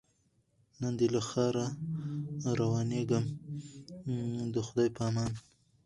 نن دي له ښاره روانېږمه د خدای په امان